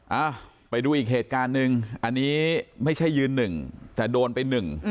เอ้าไปดูอีกเหตุการณ์หนึ่งอันนี้ไม่ใช่ยืนหนึ่งแต่โดนไปหนึ่ง